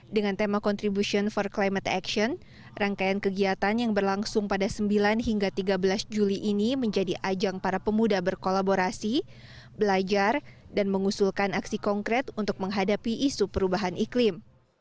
dan mengusulkan aksi konkret untuk menghadapi isu perubahan iklim